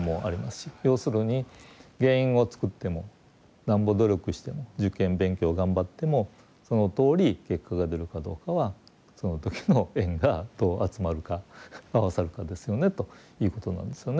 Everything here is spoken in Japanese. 要するに原因を作ってもなんぼ努力しても受験勉強を頑張ってもそのとおり結果が出るかどうかはその時の縁がどう集まるか合わさるかですよねということなんですよね。